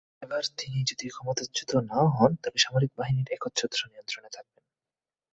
এবারও তিনি যদি ক্ষমতাচ্যুত না-ও হন, তবে সামরিক বাহিনীর একচ্ছত্র নিয়ন্ত্রণে থাকবেন।